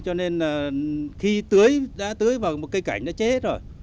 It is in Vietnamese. cho nên khi tưới đã tưới vào một cây cảnh nó chết rồi